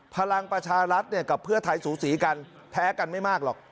พลังประชารัฐกับเพื่อไทยสูสีกันแท้กันไม่มากหรอก